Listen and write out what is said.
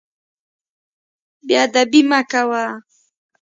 بې ادبي مه کوه.